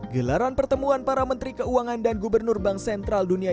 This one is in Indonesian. gelaran pertemuan para menteri keuangan dan gubernur bank sentral dunia